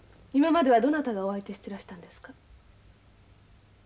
今まではどなたがお相手してらしたんですか？